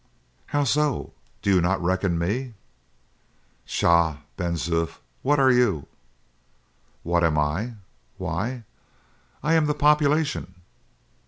"How so? Do you not reckon me?" "Pshaw! Ben Zoof, what are you?" "What am I? Why, I am the population."